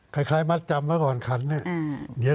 คล้ายมัตต์จำก่อนกันเนี่ย